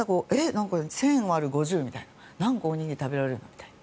１０００円割る５０みたいな何個おにぎり食べられるのみたいな。